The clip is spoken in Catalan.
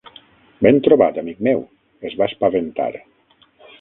"Ben trobat, amic meu!" Es va espaventar.